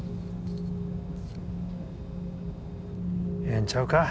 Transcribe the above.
ええんちゃうか？